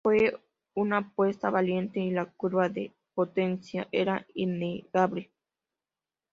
Fue una apuesta valiente y la curva de potencia era innegable.